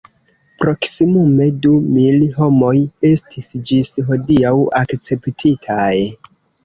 Proksimume du mil homoj estis ĝis hodiaŭ akceptitaj.